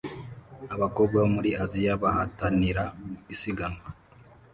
Abakobwa bo muri Aziya bahatanira isiganwa